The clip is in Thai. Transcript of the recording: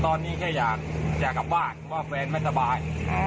ตอนนี้แค่อยากไปต่อจับบ้านเพราะว่ามือคุณไม่สบาย